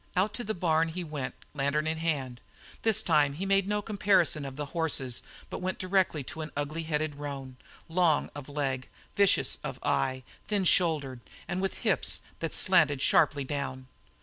Out to the barn he went, lantern in hand. This time he made no comparison of horses but went directly to an ugly headed roan, long of leg, vicious of eye, thin shouldered, and with hips that slanted sharply down.